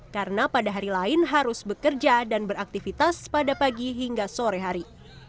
karena pada hari lain harus bekerja dan beraktivitas pada pagi hingga sore hari